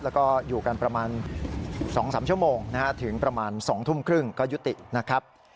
แล้วก็อยู่กันประมาณ๒๓ชั่วโมงถึงประมาณ๒ทุ่มครึ่งก็ยุตินะครับ